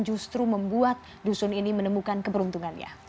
justru membuat dusun ini menemukan keberuntungannya